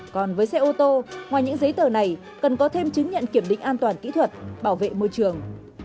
còn với xe ô tô ngoài những giấy tờ này cần có thêm chứng nhận kiểm định an toàn kỹ thuật bảo vệ môi trường